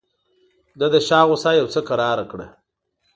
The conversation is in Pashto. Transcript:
ده د شاه غوسه یو څه کراره کړه.